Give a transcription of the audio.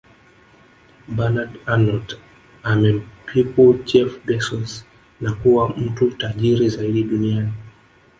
Bernard Arnault amempiku Jeff Bezos na kuwa mtu tajiri zaidi duniani